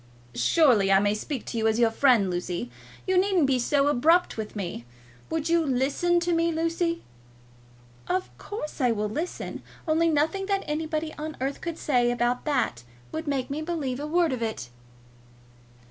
"Surely I may speak to you as your friend, Lucy. You needn't be so abrupt with me. Will you listen to me, Lucy?" "Of course I will listen; only nothing that anybody on earth could say about that would make me believe a word of it."